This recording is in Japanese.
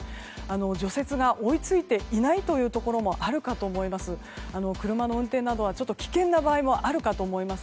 除雪が追い付いていないところもあるかと思います。